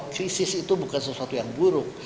krisis itu bukan sesuatu yang buruk